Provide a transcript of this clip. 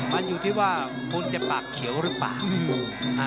มันอยู่ที่ว่าคนจะปากเขียวหรือเปล่า